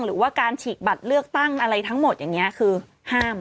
หรือว่าการฉีกบัตรเลือกตั้งอะไรทั้งหมดอย่างนี้คือห้าม